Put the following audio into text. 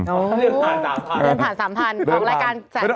ออกรายการ๓แฟน